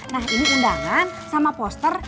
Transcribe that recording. nah ini undangan sama poster